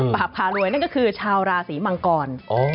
พารวยนั่นก็คือชาวราศีมังกร